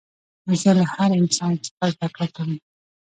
زه له هر انسان څخه زدکړه کوم.